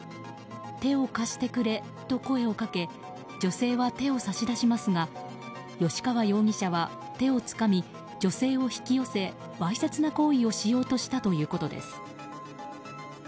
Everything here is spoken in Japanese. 手を貸してくれと声をかけ女性は手を差し出しますが吉川容疑者は手をつかみ女性を引き寄せわいせつな行為をしようとしたということです。